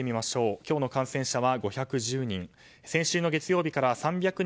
今日の感染者は５１０人